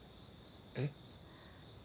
えっ？